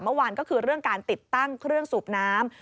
เมื่อวานก็คือเรื่องการติดตั้งเครื่องสูบน้ำ